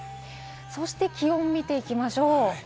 そして気温を見ていきましょう。